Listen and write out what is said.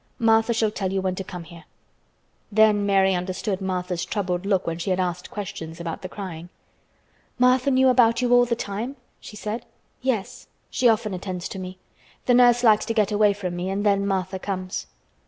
Martha shall tell you when to come here." Then Mary understood Martha's troubled look when she had asked questions about the crying. "Martha knew about you all the time?" she said. "Yes; she often attends to me. The nurse likes to get away from me and then Martha comes."